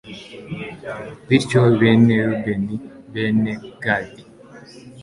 bityo bene rubeni, bene gadi